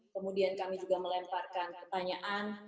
kemudian kami juga melemparkan pertanyaan